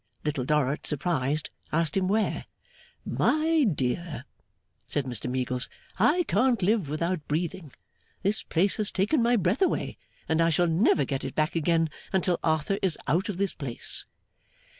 Little Dorrit, surprised, asked him where? 'My dear,' said Mr Meagles, 'I can't live without breathing. This place has taken my breath away, and I shall never get it back again until Arthur is out of this place.